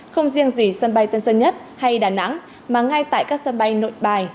không riêng gì sân bay tân sơn nhất hay đà nẵng mà ngay tại các sân bay nội bài